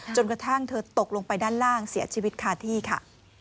จนกระทั่งเธอตกลงไปด้านล่างเสียชีวิตคาที่ค่ะ